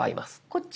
こっち。